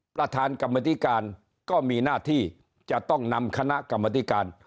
ประธานกรรมธิการก็มีหน้าที่จะต้องนำคณะกรรมธิการ